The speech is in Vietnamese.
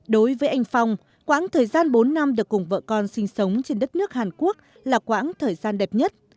đối với anh phong quãng thời gian bốn năm được cùng vợ con sinh sống trên đất nước hàn quốc là quãng thời gian đẹp nhất